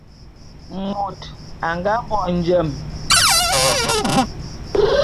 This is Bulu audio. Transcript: Môt a nga bo njem.